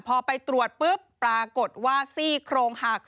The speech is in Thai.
พอไปตรวจปุ๊บปรากฏว่าซี่โครงหัก